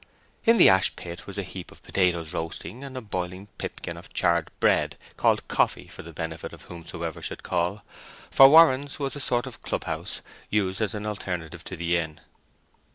In the ashpit was a heap of potatoes roasting, and a boiling pipkin of charred bread, called "coffee", for the benefit of whomsoever should call, for Warren's was a sort of clubhouse, used as an alternative to the inn.